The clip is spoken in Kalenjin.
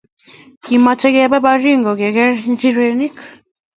Kimache kepe Baringo ke ker njireniik